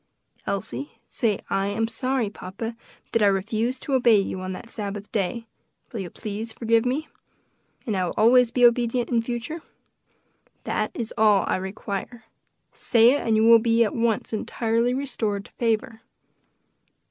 "Elsie, say 'I am sorry, papa, that I refused to obey you on that Sabbath day; will you please to forgive me? and I will always be obedient in future,' That is all I require. Say it, and you will be at once entirely restored to favor."